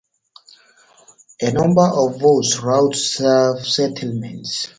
A number of bus routes serve the settlement.